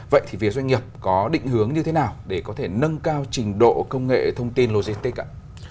vậy thì phía doanh nghiệp có định hướng như thế nào để có thể nâng cao trình độ công nghệ thông tin logistics ạ